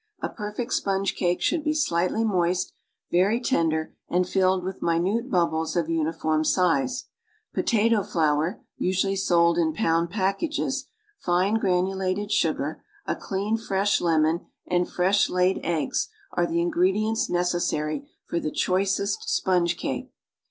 A perfect sj)onge cake should be slightly moist, very lender, and filled with minute bubbles of uni form size, i'otato flour (usually sold in pound packages), fine paper under cake makes removal easy. granulated sugar, a clean fresh lemon and fresh laid eggs are the ingredients necessary for the choicest sponge cake.